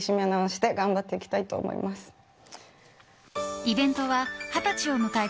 イベントは二十歳を迎えた